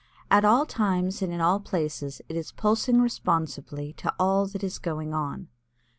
At all times and in all places it is pulsing responsively to all that is going on.